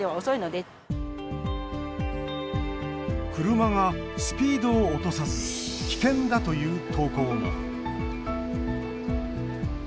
車がスピードを落とさず危険だという投稿も。